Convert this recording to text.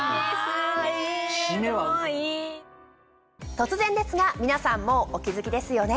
突然ですが皆さんもうお気付きですよね。